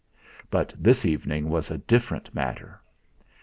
But this evening was a different matter!